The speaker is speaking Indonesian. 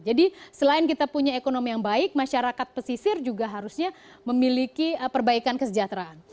jadi selain kita punya ekonomi yang baik masyarakat pesisir juga harusnya memiliki perbaikan kesejahteraan